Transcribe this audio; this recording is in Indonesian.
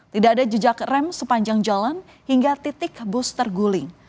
tidak ada jejak rem sepanjang jalan hingga titik bus terguling